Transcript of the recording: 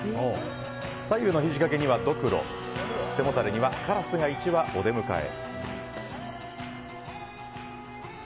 左右の肘掛けにはどくろ背もたれにはカラスが１羽お出迎え。